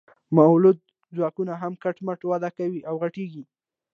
مؤلده ځواکونه هم کټ مټ وده کوي او غټیږي.